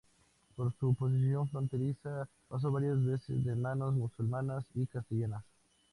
Por su posición fronteriza paso varias veces de manos musulmanas a castellanas.